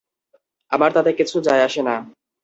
আমার তাতে কিছু যায় আসে না।